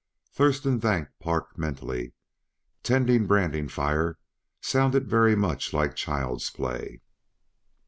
Thurston thanked Park mentally; tending branding fire sounded very much like child's play.